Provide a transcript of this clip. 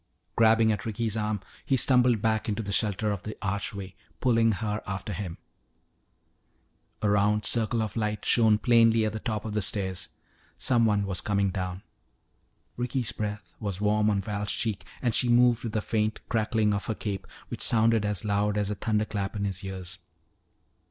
Grabbing at Ricky's arm, he stumbled back into the shelter of the archway, pulling her after him. A round circle of light shone plainly at the top of the stairs. Someone was coming down. Ricky's breath was warm on Val's cheek and she moved with a faint crackling of her cape which sounded as loud as a thunderclap in his ears.